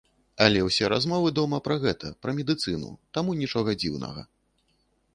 Але ўсе размовы дома пра гэта, пра медыцыну, таму нічога дзіўнага.